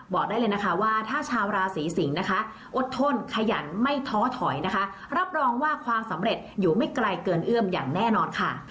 บอกได้เลยนะคะว่าถ้าชาวราศีสิงศ์นะคะอดทนขยันไม่ท้อถอยนะคะรับรองว่าความสำเร็จอยู่ไม่ไกลเกินเอื้อมอย่างแน่นอนค่ะ